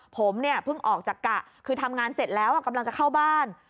ผมเนี่ยเพิ่งออกจากกะคือทำงานเสร็จแล้วกำลังจะเข้าบ้าน